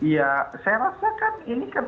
ya saya rasakan ini kan